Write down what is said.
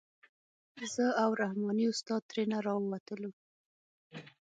زه او رحماني استاد ترېنه راووتلو.